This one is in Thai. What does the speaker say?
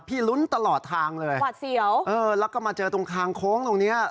ลุ้นตลอดทางเลยหวัดเสียวเออแล้วก็มาเจอตรงทางโค้งตรงเนี้ย